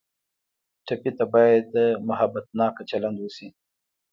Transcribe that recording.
ټپي ته باید محبتناکه چلند وشي.